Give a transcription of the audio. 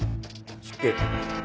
失敬。